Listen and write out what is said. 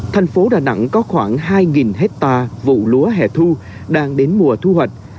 thành phố đà nẵng có khoảng hai hectare vụ lúa hẻ thu đang đến mùa thu hoạch